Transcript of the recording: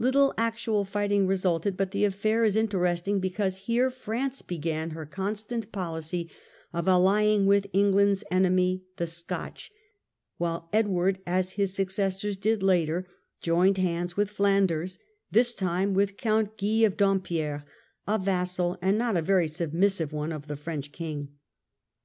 Little actual fighting resulted, but the affair is inter esting because here France began her constant policy of allying with England's enemy the Scotch; while Edward, as his successors did later, joined hands with Flanders, this time with Count Guy of Dampierre, a vassal, and not a very submissive one, of the French King.